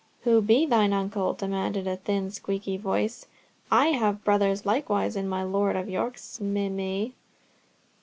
"Who be thine uncle?" demanded a thin, squeaky voice. "I have brothers likewise in my Lord of York's meimé."